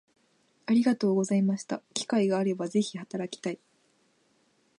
ありがとうございました機会があれば是非働きたい